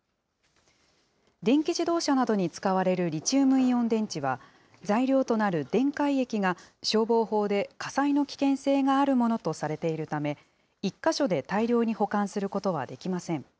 電気自動車などに使われるリチウムイオン電池は、材料となる電解液が消防法で火災の危険性があるものとされているため、１か所で大量に保管することはできません。